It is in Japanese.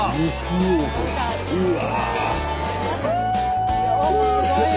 うわ！